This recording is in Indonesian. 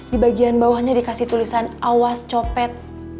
di bagian bawahnya dikasih tulisan awas copet